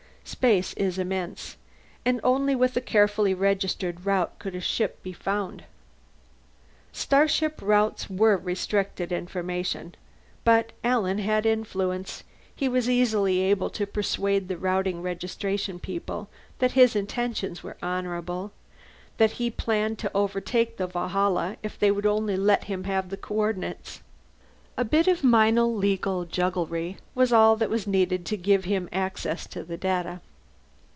Space is immense, and only with a carefully registered route could a ship be found. Starship routes were restricted information. But Alan had influence; he was easily able to persuade the Routing Registration people that his intentions were honorable, that he planned to overtake the Valhalla if they would only let him have the coordinates. A bit of minor legal jugglery was all that was needed to give him access to the data.